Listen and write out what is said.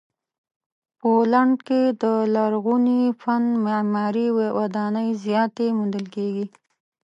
پولنډ کې د لرغوني فن معماري ودانۍ زیاتې موندل کیږي.